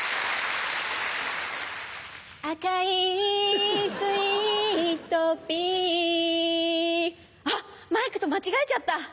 赤いスイートピーあっマイクと間違えちゃった。